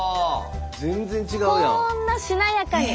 こんなしなやかに！